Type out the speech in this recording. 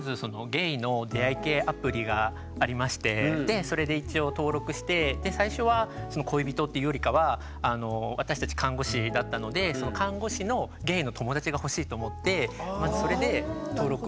ゲイの出会い系アプリがありましてそれで一応登録して最初は恋人っていうよりかは私たち看護師だったのでまずそれで登録をさせてもらったんですけど。